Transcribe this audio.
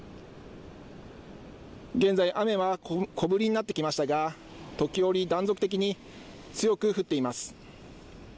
現在、雨は小降りになってきましたが時折、断続的に強く降っています。